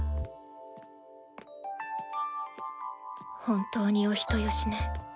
本当にお人よしね